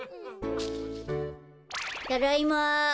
ただいま。